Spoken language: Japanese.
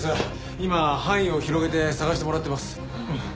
今範囲を広げて捜してもらってます。